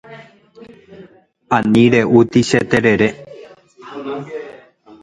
Ani re'úti che terere.